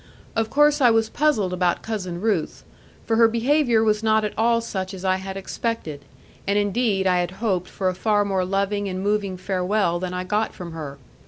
Of course I was puzzled about Cousin Ruth; for her behaviour was not at all such as I had expected; and indeed I had hoped for a far more loving and moving farewell than I got from her.